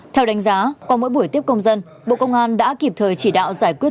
theo đánh giá qua mỗi buổi tiếp công dân bộ công an đã kịp thời chỉ đạo giải quyết